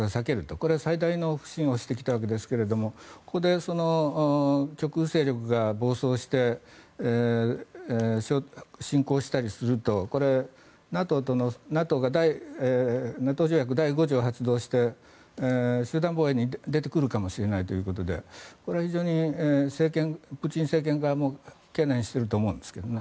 これは最大の腐心をしてきたわけですがここで極右勢力が暴走して侵攻したりするとこれ、ＮＡＴＯ条約第５条を発動して集団防衛に出てくるかもしれないということでこれは非常にプーチン政権側も懸念していると思うんですけどね。